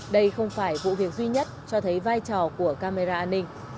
đây không phải vụ việc duy nhất cho thấy vai trò của camera an ninh